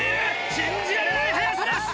信じられない早さです！